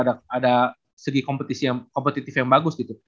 ada segi kompetitif yang bagus gitu